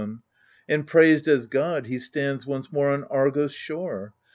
62 AGAMEMNON And praised as god he stands once more On Argos' shore